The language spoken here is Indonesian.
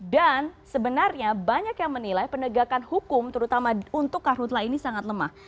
dan sebenarnya banyak yang menilai pendegakan hukum terutama untuk karhutlah ini sangat lemah